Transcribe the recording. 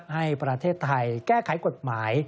ให้ประเทศไทยแก้ไขกฎหมาย